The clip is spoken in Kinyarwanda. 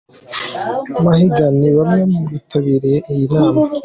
Mahiga ni bamwe mu bitabiriye iyi nama.